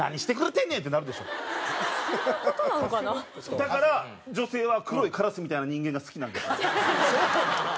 だから女性は黒いカラスみたいな人間が好きなんですよ。